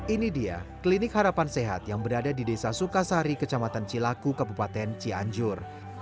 ini dia klinik harapan sehat yang berada di desa sukasari kecamatan cilaku kabupaten cianjur